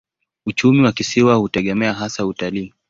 Uchumi wa kisiwa hutegemea hasa utalii.